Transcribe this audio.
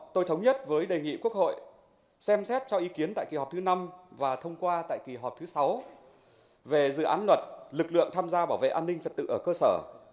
tôi thống nhất với đề nghị quốc hội xem xét cho ý kiến tại kỳ họp thứ năm và thông qua tại kỳ họp thứ sáu về dự án luật lực lượng tham gia bảo vệ an ninh trật tự ở cơ sở